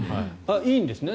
いいんですね。